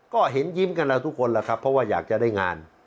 ก็เห็นยิ้มกันแล้วทุกคนแหละครับเพราะว่าอยากจะได้งาน